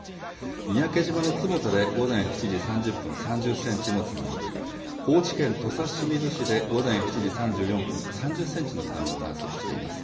三宅島の坪田で午前７時３０分、３０センチの津波、高知県土佐清水市で午前７時３４分、３０センチの津波を観測しています。